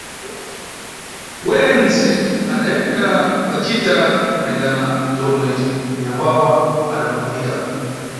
Wentse adayenda kukacita malingana bzomwe nyakwawa adalamulira.